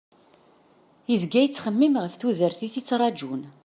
Yezga yettxemmim ɣef tudert i t-id-ittrajun.